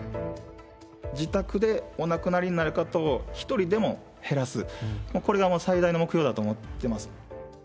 自宅でお亡くなりになる方を一人でも減らす、これが最大の目標だと思ってます。